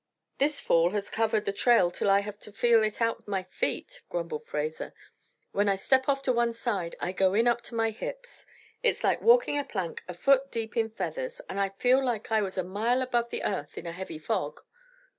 "This fall has covered the trail till I have to feel it out with my feet," grumbled Fraser. "When I step off to one side I go in up to my hips. It's like walking a plank a foot deep in feathers, and I feel like I was a mile above the earth in a heavy fog."